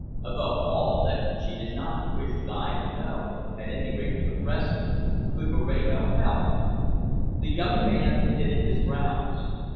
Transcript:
Above all, that she did not wish Guy to know, at any rate for the present. Could Moreno help? The young man knitted his brows.